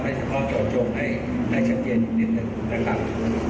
เฉพาะเจาะจงให้ได้ชัดเจนอีกนิดหนึ่งนะครับ